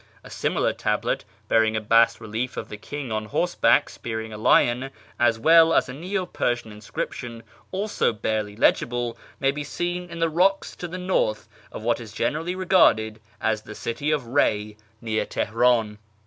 A similar tablet, hearing a bas relief of the king on horseback spearing a lion, as well as a Neo Persiau inscription (also barely legible), may be seen in the rocks to the north of what is generally regarded as the site of Key, near Teheran.